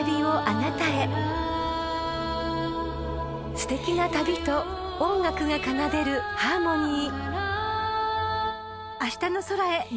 ［すてきな旅と音楽が奏でるハーモニー］